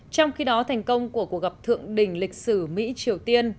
trong khi đó thành công của cuộc gặp thượng đỉnh lịch sử mỹ triều tiên